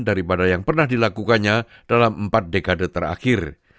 daripada yang pernah dilakukannya dalam empat dekade terakhir